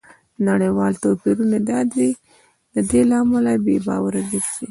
نړیوال توپیرونه د دې له امله بې باوره ګرځي